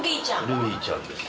ルビーちゃんです。